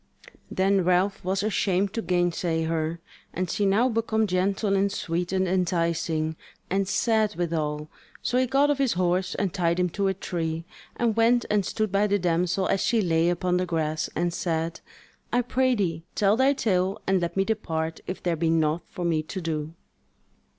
Then Ralph was ashamed to gainsay her, and she now become gentle and sweet and enticing, and sad withal; so he got off his horse and tied him to a tree, and went and stood by the damsel as she lay upon the grass, and said: "I prithee tell thy tale and let me depart if there be naught for me to do."